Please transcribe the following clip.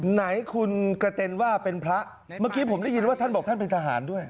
ไหนคุณกระเต็นว่าเป็นพระเมื่อกี้ผมได้ยินว่าท่านบอกท่านเป็นทหารด้วย